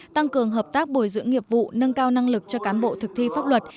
tăng cường hợp tác bồi dưỡng nghiệp vụ nâng cao năng lực cho cán bộ thực thi pháp luật